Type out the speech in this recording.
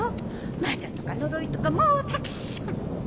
魔女とか呪いとかもうたくさん！